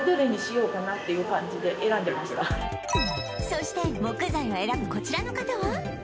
そして木材を選ぶこちらの方は